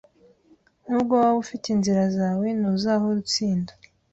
Nubwo waba ufite inzira zawe, ntuzahora utsinda